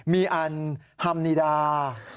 มีอันฮัมนีดา